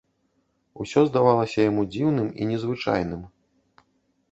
Усё здавалася яму дзіўным і незвычайным.